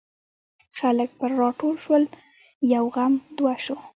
خلک پر راټول شول یو غم دوه شو.